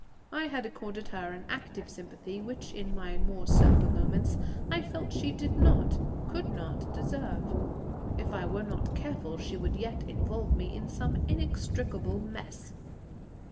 I had accorded her an active sympathy which in my more sober moments I felt she did not, could not, deserve; if I were not careful she would yet involve me in some inextricable mess.